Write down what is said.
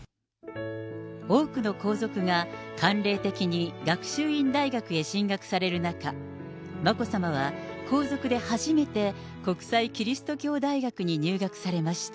多くの皇族が慣例的に学習院大学へ進学される中、眞子さまは皇族で初めて、国際基督教大学に入学されました。